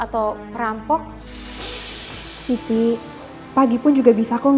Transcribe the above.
memberin komji lagi kepada si audience